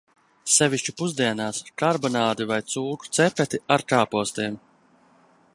Sevišķi pusdienās, karbonādi vai cūku cepeti ar kāpostiem.